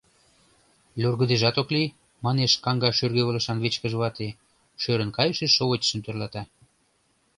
— Люргыдежат ок лий, — манеш каҥга шӱргывылышан вичкыж вате, шӧрын кайыше шовычшым тӧрлата.